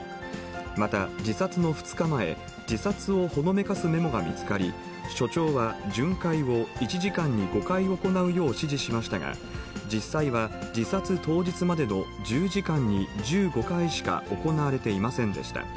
また自殺の２日前、自殺をほのめかすメモが見つかり、署長は巡回を１時間に５回行うよう指示しましたが、実際は自殺当日までの１０時間に１５回しか行われていませんでした。